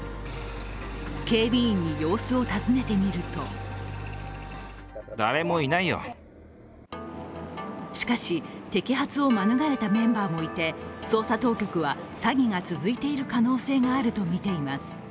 警備員に様子を尋ねてみるとしかし、摘発を免れたメンバーもいて捜査当局は詐欺が続いている可能性があるとみています。